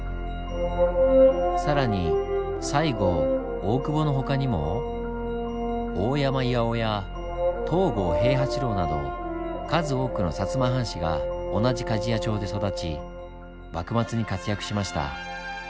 更に西郷大久保の他にも大山巌や東郷平八郎など数多くの摩藩士が同じ加治屋町で育ち幕末に活躍しました。